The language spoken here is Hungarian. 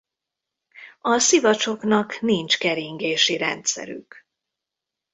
A szivacsoknak nincs keringési rendszerük.